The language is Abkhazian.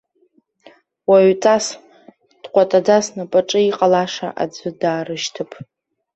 Уаҩҵас, дҟәатаӡа снапаҿы иҟалаша аӡәы даарышьҭып.